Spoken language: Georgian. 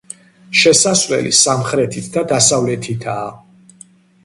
შესასვლელი სამხრეთით და დასავლეთითაა.